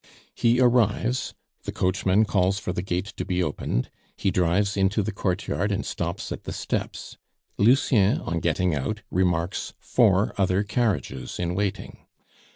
He arrives, the coachman calls for the gate to be opened, he drives into the courtyard and stops at the steps. Lucien, on getting out, remarks four other carriages in waiting.